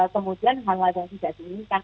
kemudian hal hal yang tidak diinginkan